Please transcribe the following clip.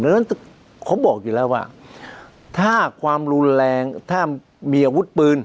เพราะฉะนั้นเขาบอกอยู่แล้วว่าถ้าความรุนแรงถ้ามีอาวุธปืน